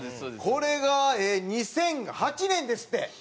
これが２００８年ですって。